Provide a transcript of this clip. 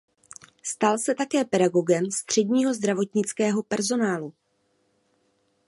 Stal se také pedagogem středního zdravotnického personálu.